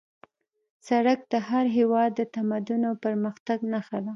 سړک د هر هېواد د تمدن او پرمختګ نښه ده